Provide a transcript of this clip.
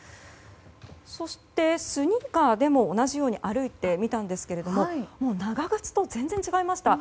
そして、スニーカーでも同じように歩いてみましたが長靴と全然違いました。